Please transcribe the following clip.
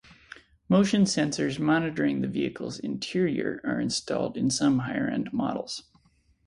Motion sensors monitoring the vehicle's interior are installed in some higher end models.